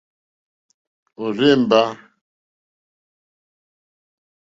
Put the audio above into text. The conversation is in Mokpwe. Òrzèmbá.